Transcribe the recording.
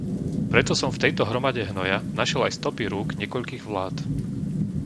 Preto som v tejto hromade hnoja našiel aj stopy rúk niekoľkých vlád.